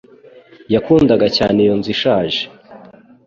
Yakundaga cyane iyo nzu ishaje.